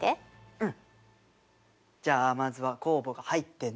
うん。